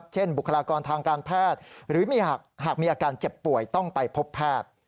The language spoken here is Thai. บุคลากรทางการแพทย์หรือหากมีอาการเจ็บป่วยต้องไปพบแพทย์